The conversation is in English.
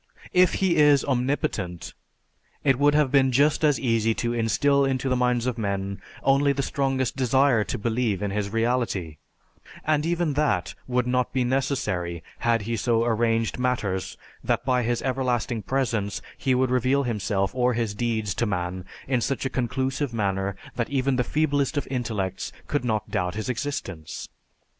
If He is omnipotent, it would have been just as easy to instill into the minds of men only the strongest desire to believe in His reality; and even that would not be necessary had He so arranged matters that by His everlasting presence He would reveal Himself or His deeds to man in such a conclusive manner that even the feeblest of intellects could not doubt His existence.